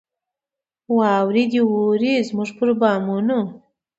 واوري دي اوري زموږ پر بامونو